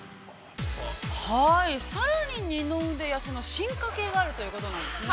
◆はい、さらに二の腕痩せの進化系があるということなんですね。